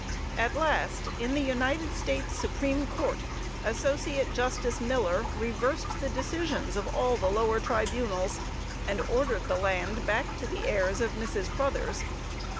At last, in the United States Supreme Court, Associate Justice Miller reversed the decisions of all the lower tribunals, and ordered the land back to the heirs of Mrs. Cruthers.